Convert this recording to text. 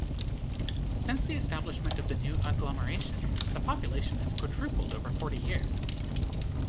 Since the establishment of the new agglomeration, the population has quadrupled over forty years.